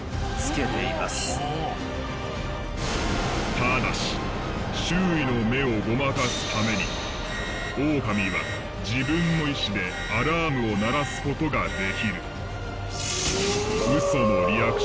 ただし周囲の目をごまかすためにオオカミは自分の意思でアラームを鳴らす事ができる。